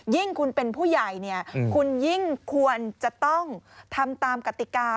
ยิ่งคุณเป็นผู้ใหญ่เนี่ยคุณยิ่งควรจะต้องทำตามกติกา